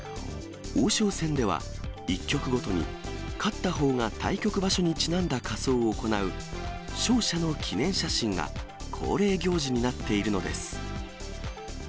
王将戦では、一局ごとに、勝ったほうが対局場所にちなんだ仮装を行う勝者の記念写真が恒例行事になっているのです。